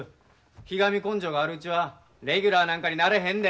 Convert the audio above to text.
ひがみ根性があるうちはレギュラーなんかになれへんで！